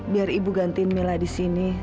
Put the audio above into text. biar ibu gantiin mila di sini